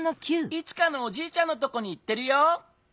イチカのおじいちゃんのとこにいってるよ。